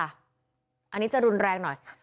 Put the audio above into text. อันนี้จะรุนแรงหน่อย